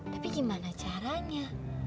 tapi gimana caranya